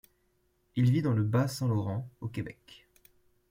Il vit dans le Bas-Saint-Laurent, au Québec.